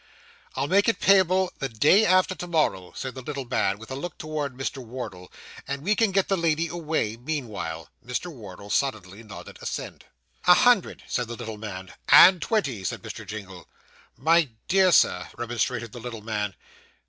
'I'll make it payable the day after to morrow,' said the little man, with a look towards Mr. Wardle; 'and we can get the lady away, meanwhile.' Mr. Wardle sullenly nodded assent. 'A hundred,' said the little man. 'And twenty,' said Mr. Jingle. 'My dear Sir,' remonstrated the little man.